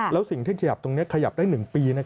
แล้วสิ่งที่ขยับตรงนี้ขยับได้๑ปี